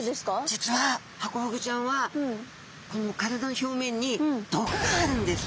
実はハコフグちゃんはこの体の表面に毒があるんです。